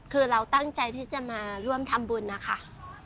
คือเราตั้งใจที่จะมาร่วมทำบุญนะคะ